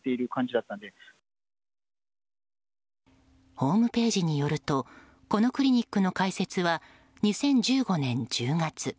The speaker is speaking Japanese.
ホームページによるとこのクリニックの開設は２０１５年１０月。